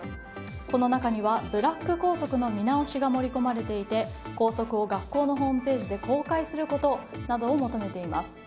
この中には、ブラック校則の見直しが盛り込まれていて校則を学校のホームページで公開することなどを求めています。